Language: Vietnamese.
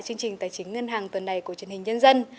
chương trình tài chính ngân hàng tuần này của truyền hình nhân dân